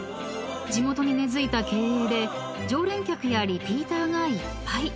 ［地元に根付いた経営で常連客やリピーターがいっぱい］